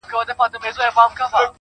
لكه اوبه چي دېوال ووهي ويده سمه زه.